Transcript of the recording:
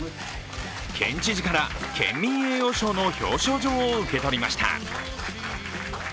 県知事から県民栄誉賞の表彰状を受け取りました。